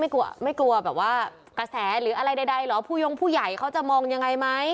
ไม่กลัวแบบว่ากระแสหรืออะไรใดเหรอผู้ยงผู้ใหญ่เขาจะมองยังไงไหม